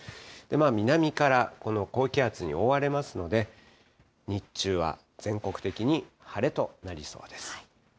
南からこの高気圧に覆われますので、日中は全国的に晴れとなりそうです。